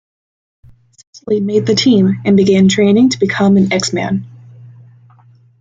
Cessily made the team and began training to become an X-Man.